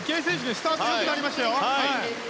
スタート良くなりました。